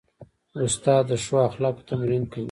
استاد د ښو اخلاقو تمرین کوي.